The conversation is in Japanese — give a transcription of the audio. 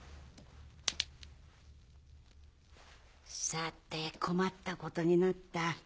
さて困ったことになった。